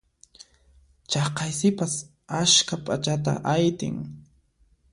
Chaqay sipas askha p'achata aytin.